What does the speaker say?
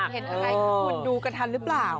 เห็นอะไรคุณดูกระทันหรือเปล่า